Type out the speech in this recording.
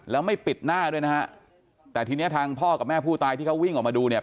แล้วไม่ปิดหน้าด้วยนะฮะแต่ทีนี้ทางพ่อกับแม่ผู้ตายที่เขาวิ่งออกมาดูเนี่ย